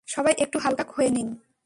সবাই একটু হালকা হয়ে নিন।